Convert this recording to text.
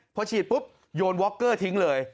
พอฉีดปุ๊บโยนวอคเกอร์ทิ้งเลย